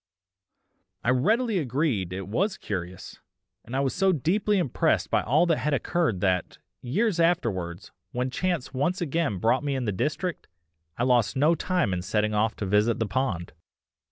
I readily agreed it was curious, and I was so deeply impressed by all that had occurred that, years afterwards, when chance once again brought me in the district, I lost no time in setting off to visit the pond.